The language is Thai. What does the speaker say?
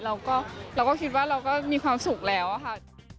เราก็คิดว่าเราก็มีความสุขแล้วค่ะ